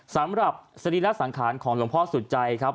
สำหรับสรีระสังขารของหลวงพ่อสุดใจครับ